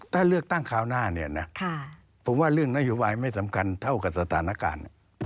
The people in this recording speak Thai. ถ้าเลือกตั้งคราวหน้าเนี่ยนะผมว่าเรื่องนโยบายไม่สำคัญเท่ากับสถานการณ์